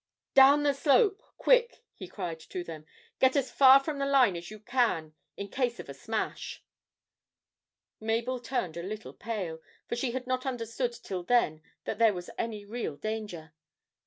'Down the slope, quick,' he cried to them; 'get as far from the line as you can in case of a smash.' Mabel turned a little pale, for she had not understood till then that there was any real danger.